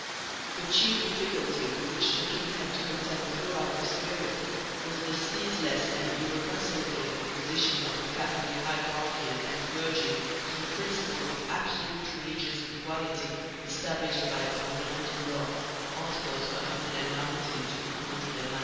The chief difficulty with which the king had to contend throughout this period was the ceaseless and irreconcilable opposition of the Catholic hierarchy and clergy to the principle of absolute religious equality established by the Fundamental Law (Articles CXC CXCIII).